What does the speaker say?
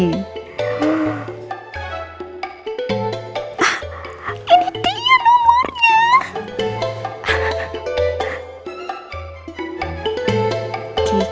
ini dia nomernya